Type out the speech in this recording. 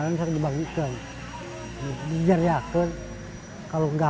namun tak jarang tuban harus membawa pulang dagangan yang tersisa karena tidak laku terjual